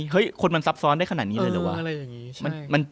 ฮึคนท้ายซับซ้อนได้ขนาดนี้เหรอวะ